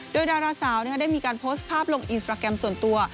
โดยดาราสาวเนี้ยค่ะได้มีการโพสต์ภาพลงส่วนตัว